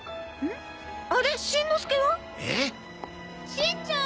しんちゃーん！